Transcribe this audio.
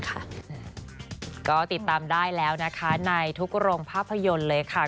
ก็ติดตามได้แล้วนะคะในทุกโรงภาพยนตร์เลยค่ะ